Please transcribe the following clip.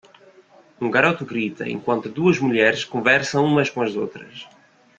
Um garoto grita enquanto duas mulheres conversam umas com as outras.